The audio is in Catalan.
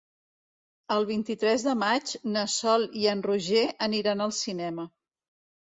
El vint-i-tres de maig na Sol i en Roger aniran al cinema.